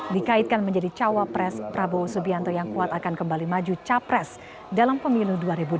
dikaitkan menjadi cawapres prabowo subianto yang kuat akan kembali maju capres dalam pemilu dua ribu dua puluh